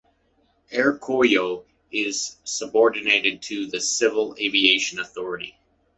Air Koryo is subordinated to the Civil Aviation Authority.